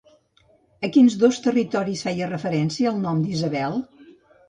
A quins dos territoris feia referència el nom d'Isabel?